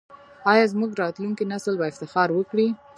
آیا زموږ راتلونکی نسل به افتخار وکړي؟